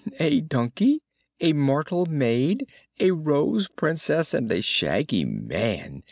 "A donkey, a mortal maid, a Rose Princess and a Shaggy Man!"